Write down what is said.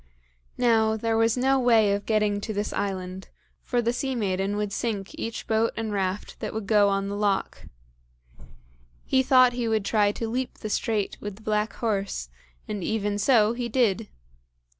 Now, there was no way of getting to this island, for the sea maiden would sink each boat and raft that would go on the loch. He thought he would try to leap the strait with the black horse, and even so he did.